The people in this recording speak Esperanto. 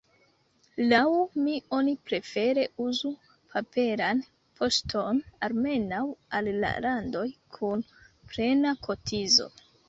Laŭ mi oni prefere uzu paperan poŝton, almenaŭ al la landoj kun “plena” kotizo.